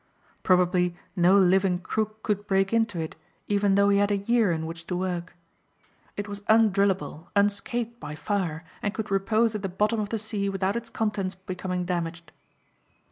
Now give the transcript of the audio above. Probably no living crook could break into it even though he had a year in which to work. It was undrillable, unscathed by fire and could repose at the bottom of the sea without its contents becoming damaged.